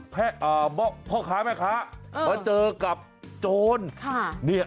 พ่อค้าแม่ค้ามาเจอกับโจร